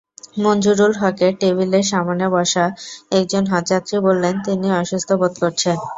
মঞ্জুরুল হকের টেবিলের সামনে বসা একজন হজযাত্রী বললেন, তিনি অসুস্থ বোধ করছেন।